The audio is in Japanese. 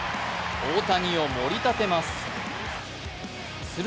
大谷を盛り立てます。